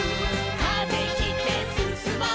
「風切ってすすもう」